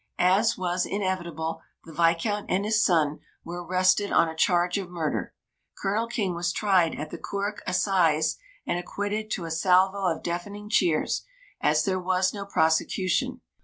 As was inevitable, the Viscount and his son were arrested on a charge of murder. Colonel King was tried at the Cork Assizes, and acquitted to a salvo of deafening cheers, as there was no prosecution.